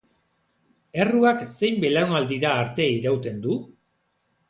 Erruak zein belaunaldira arte irauten du?